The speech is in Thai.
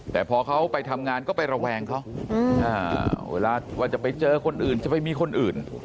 แต่พอเขาไปทำงานก็ไประแวงเขาเวลาว่าจะไปเจอคนอื่นจะไปมีคนอื่น